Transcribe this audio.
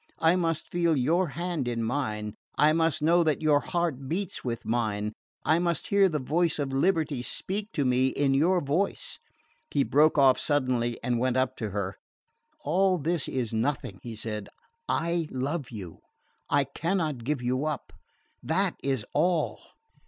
I must feel your hand in mine, I must know that your heart beats with mine, I must hear the voice of liberty speak to me in your voice " He broke off suddenly and went up to her. "All this is nothing," he said. "I love you. I cannot give you up. That is all."